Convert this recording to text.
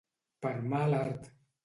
Per mal art.